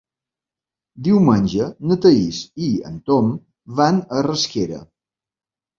Diumenge na Thaís i en Tom van a Rasquera.